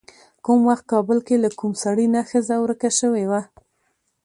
کوم وخت کابل کې له کوم سړي نه ښځه ورکه شوې وه.